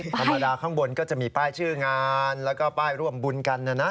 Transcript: ธรรมดาข้างบนก็จะมีป้ายชื่องานแล้วก็ป้ายร่วมบุญกันนะนะ